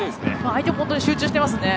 相手も本当に集中していますね。